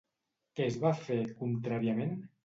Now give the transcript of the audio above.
Què es va fer, contràriament?